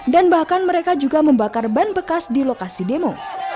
dan bahkan mereka juga membakar ban bekas di lokasi demo